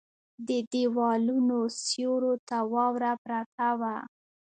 د ديوالونو سيورو ته واوره پرته وه.